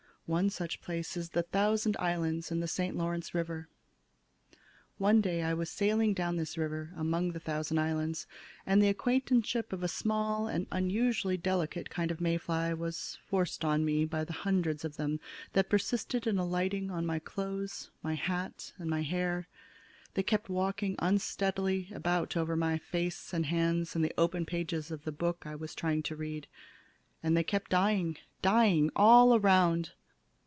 One such place is the Thousand Islands in the St. Lawrence River. One day I was sailing down this river among the Thousand Islands, and the acquaintanceship of a small and unusually delicate kind of May fly was forced on me by the hundreds of them that persisted in alighting on my clothes, my hat, and my hair. They kept walking unsteadily about over my face and hands and the open pages of the book I was trying to read. And they kept dying, dying, all around.